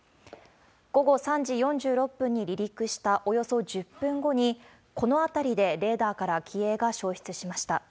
午後３時４６分に離陸したおよそ１０分後に、この辺りでレーダーから機影が消失しました。